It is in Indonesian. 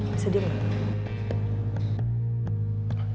bisa diam nggak